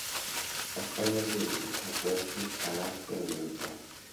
Actualmente dirige al Brescia Calcio de Italia.